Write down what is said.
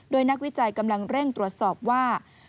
โดยนักวิจัยกำลังเร่งตรวจสอบว่า